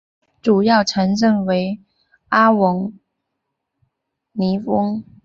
主要城镇为阿维尼翁。